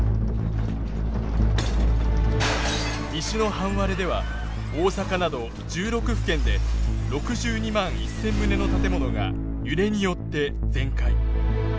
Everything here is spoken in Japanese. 西の半割れでは大阪など１６府県で６２万１，０００棟の建物が揺れによって全壊。